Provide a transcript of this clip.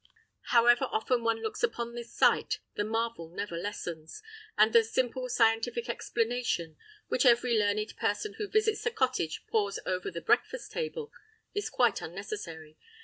However often one looks upon this sight, the marvel never lessens, and the "simple scientific explanation," which every learned person who visits this cottage pours over the breakfast table, is quite unnecessary.